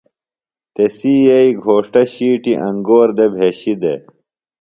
تسی یئیی گھوݜٹہ ݜیٹیۡ انگور دےۡ بھشیۡ دےۡ۔